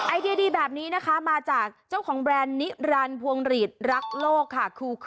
ไอเดียดีแบบนี้นะคะมาจากเจ้าของแบรนด์นิรันดิพวงหลีดรักโลกค่ะ